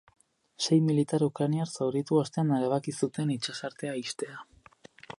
Sei militar ukrainar zauritu ostean erabaki zuten itsasartea ixtea.